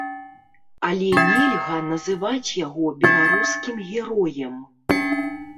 Але нельга называць яго беларускім героем.